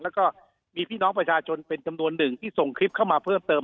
แล้วก็มีพี่น้องประชาชนเป็นจำนวนหนึ่งที่ส่งคลิปเข้ามาเพิ่มเติม